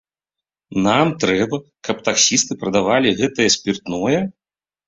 Нам трэба, каб таксісты прадавалі гэтае спіртное?